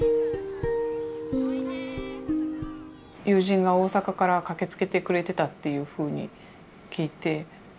友人が大阪から駆けつけてくれてたっていうふうに聞いて。